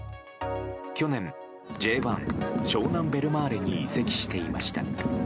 去年Ｊ１湘南ベルマーレに移籍していました。